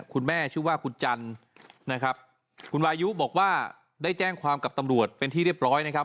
คุณแม่ชื่อว่าคุณจันทร์นะครับคุณวายุบอกว่าได้แจ้งความกับตำรวจเป็นที่เรียบร้อยนะครับ